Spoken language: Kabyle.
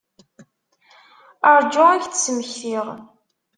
Rju ad k-d-smektiɣ.